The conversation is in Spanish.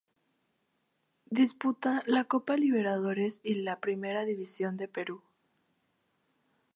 Disputa la copa Libertadores y la Primera División de Perú.